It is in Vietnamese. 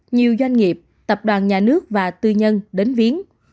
nhiều doanh nghiệp tập đoàn nhà nước và tư nhân đến viến